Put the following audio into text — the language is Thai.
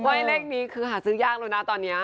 เลขนี้คือหาซื้อยากแล้วนะตอนนี้